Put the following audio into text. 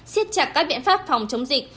siết chặt các biện pháp phòng chống dịch